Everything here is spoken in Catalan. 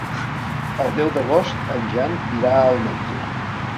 El deu d'agost en Jan irà al metge.